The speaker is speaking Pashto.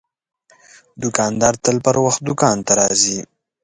دوکاندار تل پر وخت دوکان ته راځي.